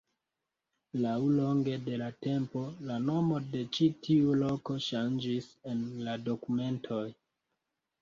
Laŭlonge de la tempo, la nomo de ĉi tiu loko ŝanĝis en la dokumentoj.